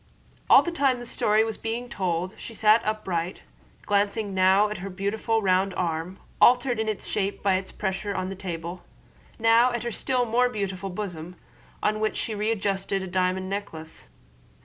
All the time the story was being told she sat upright, glancing now at her beautiful round arm, altered in shape by its pressure on the table, now at her still more beautiful bosom, on which she readjusted a diamond necklace.